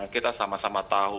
kita sama sama tahu